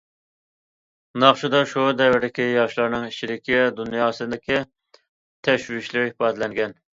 ناخشىدا، شۇ دەۋردىكى ياشلارنىڭ ئىچكى دۇنياسىدىكى تەشۋىشلىرى ئىپادىلەنگەن.